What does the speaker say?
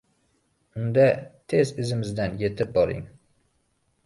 — Unda, tez izimizdan yetib boring!